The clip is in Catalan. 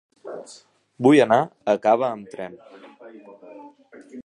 Vull anar a Cava amb tren.